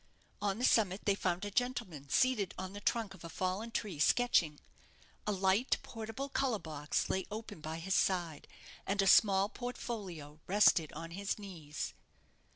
On the summit they found a gentleman seated on the trunk of a fallen tree, sketching. A light portable colour box lay open by his side, and a small portfolio rested on his knees.